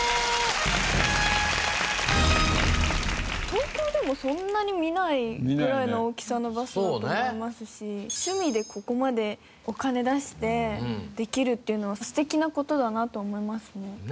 東京でもそんなに見ないぐらいの大きさのバスだと思いますし趣味でここまでお金出してできるっていうのは素敵な事だなと思いますね。